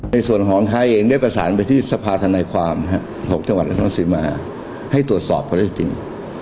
ในส่วนของไทยเองได้ประสานไปที่สภาธนายความ๖จังหวัดนครสิมาให้ตรวจสอบเขาได้จริง